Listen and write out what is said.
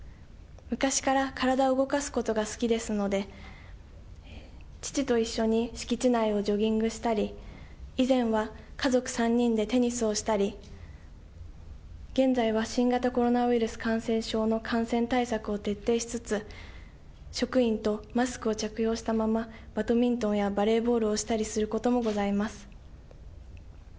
昔から体を動かすことが好きですので、父と一緒に敷地内をジョギングしたり、以前は家族３人でテニスをしたり、現在は新型コロナウイルス感染症の感染対策を徹底しつつ、職員と、マスクを着用したままバドミントンやバレーボールをしたりすることもございます。